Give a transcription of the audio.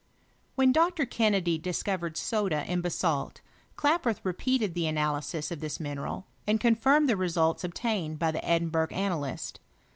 When Dr. Kennedy discovered soda in basalt, Klaproth repeated the analysis of this mineral, and contirmed the results obtained by the Edinburgh analyst.